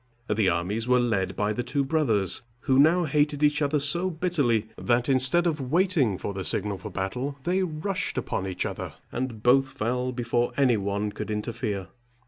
The armies were led by the two brothers, who now hated each other so bitterly, that, instead of waiting for the signal for battle, they rushed upon each other, and both fell before any one could interfere.